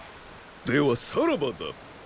ではさらばだ！